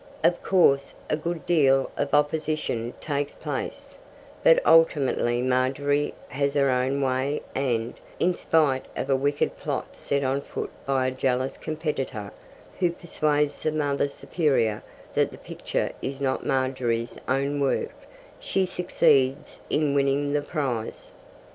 Of course, a good deal of opposition takes place, but ultimately Margery has her own way and, in spite of a wicked plot set on foot by a jealous competitor, who persuades the Mother Superior that the picture is not Margery's own work, she succeeds in winning the prize.